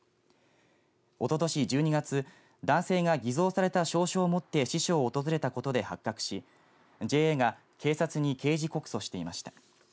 おととし１２月男性が偽造された証書を持って支所を訪れたことで発覚しＪＡが警察に刑事告訴していました。